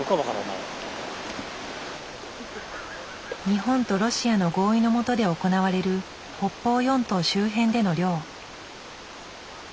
日本とロシアの合意のもとで行われる北方四島周辺での漁。